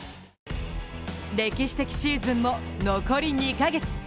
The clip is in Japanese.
歴史的シーズンも残り２か月。